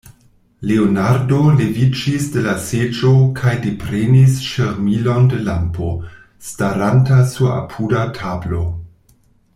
Leonardo leviĝis de la seĝo kaj deprenis ŝirmilon de lampo, staranta sur apuda tablo.